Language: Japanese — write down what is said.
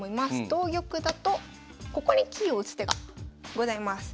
同玉だとここに金を打つ手がございます。